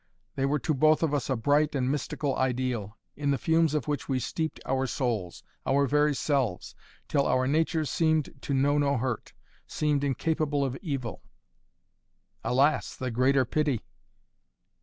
They were to both of us a bright and mystical ideal, in the fumes of which we steeped our souls, our very selves, till our natures seemed to know no hurt, seemed incapable of evil " "Alas the greater the pity!"